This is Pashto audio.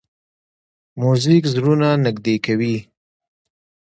موزیک زړونه نږدې کوي.